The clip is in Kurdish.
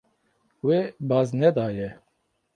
We baz nedaye.